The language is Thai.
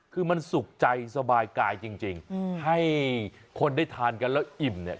คือมันสุขใจสบายกายจริงให้คนได้ทานกันแล้วอิ่มเนี่ย